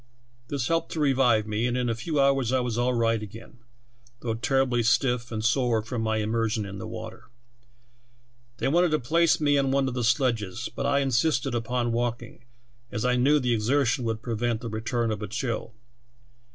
This helped to revive me, and in a few hours I was all right again, though terribly stiff and sore from my immersion in the water. They wanted to place me on one of the sledges, but I insisted upon walking, as I knew the exertion would prevent the return of a chill.